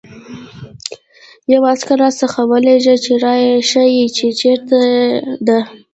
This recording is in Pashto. یو عسکر راسره ولېږه چې را يې ښيي، چې چېرته ده.